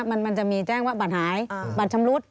มันจะมีแจ้งว่าบัตรหายบัตรชำรุด